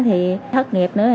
thì thất nghiệp nữa